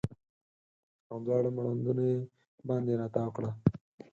او دواړه مړوندونه یې باندې راتاو کړه